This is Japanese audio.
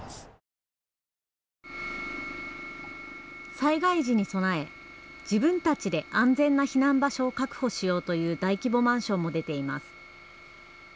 災害時に備え、自分たちで安全な避難場所を確保しようという大規模マンションも出ています。